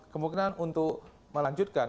kemungkinan untuk melanjutkan